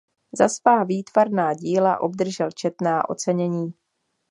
Za svá výtvarná díla obdržel četná ocenění.